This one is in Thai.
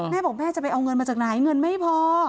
แม่บอกแม่จะไปเอาเงินมาจากไหนเงินไม่พอ